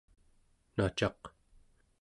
nacaq